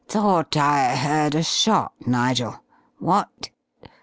"Thought I heard a shot, Nigel, what